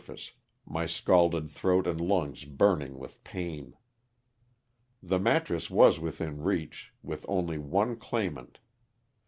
119 face, my scalded throat and lungs burning with pain. The mattress was within reach, with only one claim ant.